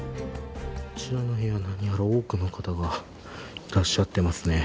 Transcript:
こちらの部屋には何やら多くの方がいらっしゃっていますね。